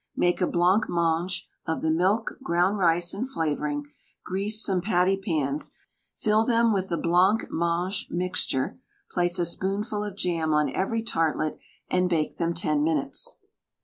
Make a blancmange, of the milk, ground rice, and flavouring; grease some patty pans, fill them with the blancmange mixture, place a spoonful of jam on every tartlet, and bake them 10 minutes.